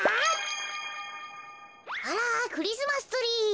あらクリスマスツリー。